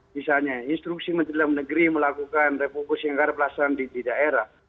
misalnya instruksi kementerian dalam negeri melakukan republikan yang ada perasaan di daerah